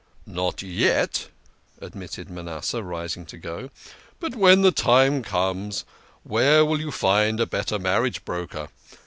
" Not yet," admitted Manasseh, rising to go ;" but when the time comes, where will you find a better marriage broker?